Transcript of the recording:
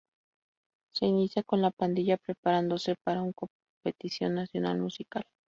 Se inicia con la pandilla preparándose para un competición nacional musical.